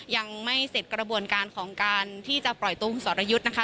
ยังไม่เสร็จกระบวนการของการที่จะปล่อยตัวคุณสรยุทธ์นะคะ